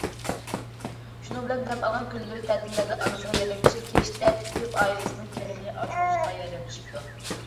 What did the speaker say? شۇنىڭ بىلەن دەم ئالغان كۈنلىرى، تەتىللەردە ئانىسىغا ياردەملىشىپ كەشتە تىكىپ ئائىلىسىنىڭ كىرىمىنى ئاشۇرۇشقا ياردەملىشىپتۇ.